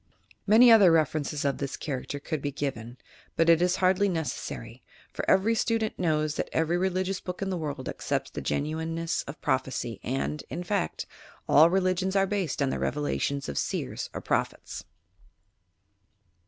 Many other references of this character could be given, but it is hardly necessary, for every student knows that every religious book in the world accepts the genuineness of prophecy and, in fact, all religions are based on the revelations of seers or prophets!